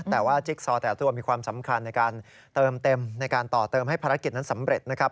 แต่ว่าจิ๊กซอแต่ละตัวมีความสำคัญในการเติมเต็มในการต่อเติมให้ภารกิจนั้นสำเร็จนะครับ